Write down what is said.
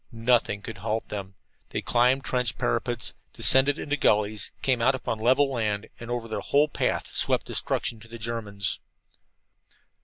Nothing could halt them. They climbed trench parapets, descended into gullies, came out upon level land, and over their whole path swept destruction to the Germans.